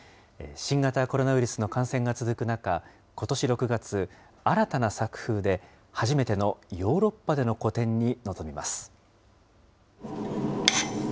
新型コロナウイルスの感染が続く中、ことし６月、新たな作風で、初めてのヨーロッパでの個展に臨みます。